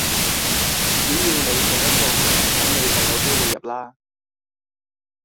只要你射得中,咁你就有機會入啦